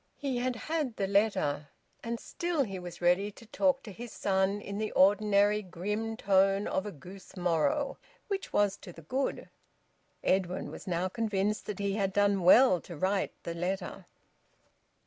He had had the letter, and still he was ready to talk to his son in the ordinary grim tone of a goose morrow. Which was to the good. Edwin was now convinced that he had done well to write the letter.